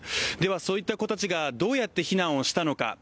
では、そういった子たちがどうやって避難をしたのか。